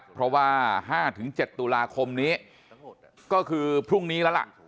เพราะว่า๕๗ตุลาคมนี้ก็คือพรุ่งนี้แล้วล่ะ